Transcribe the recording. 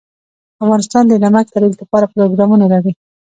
افغانستان د نمک د ترویج لپاره پروګرامونه لري.